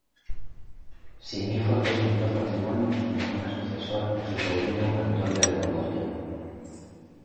Sin hijos de sus dos matrimonios, nombra sucesor a su sobrino Antonio de Borgoña.